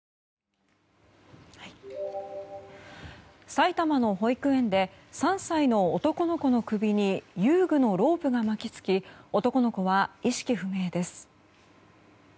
埼玉の保育園で３歳の男の子の首に遊具のロープが巻き付き男の子は意識不明です。